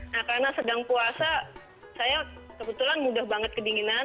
nah karena sedang puasa saya kebetulan mudah banget kedinginan